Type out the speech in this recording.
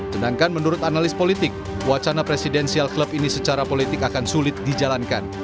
sedangkan menurut analis politik wacana presidensial klub ini secara politik akan sulit dijalankan